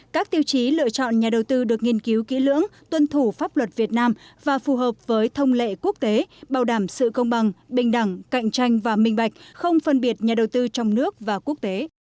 các tiêu chí lựa chọn nhà đầu tư được nghiên cứu kỹ lưỡng tuân thủ pháp luật việt nam và phù hợp với thông lệ quốc tế bảo đảm sự công bằng bình đẳng cạnh tranh và minh bạch không phân biệt nhà đầu tư trong nước và quốc tế